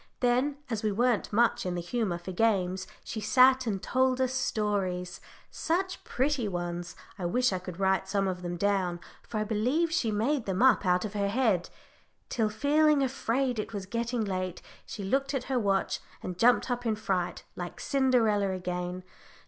Then as we weren't much in the humour for games, she sat and told us stories such pretty ones, I wish I could write some of them down, for I believe she made them up out of her head till, feeling afraid it was getting late, she looked at her watch, and jumped up in a fright, like Cinderella again.